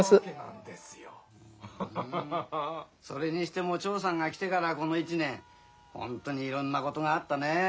それにしてもチョーさんが来てからこの１年本当にいろんなことがあったね。